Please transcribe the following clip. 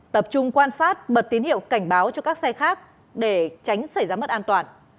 tập trung quan sát bật tín hiệu cảnh báo cho các xe khác để tránh xảy ra mất an toàn